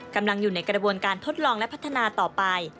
กำลังอยู่ในกระบวนการทดลองและพัฒนาต่อไป